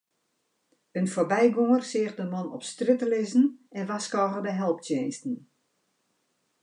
In foarbygonger seach de man op strjitte lizzen en warskôge de helptsjinsten.